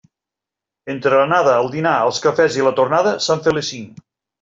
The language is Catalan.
Entre l'anada, el dinar, els cafès i la tornada s'han fet les cinc.